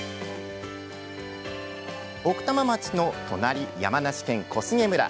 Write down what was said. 奥多摩町の隣、山梨県小菅村。